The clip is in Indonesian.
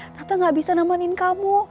tata gak bisa nemenin kamu